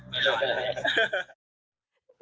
ไม่รอดเลย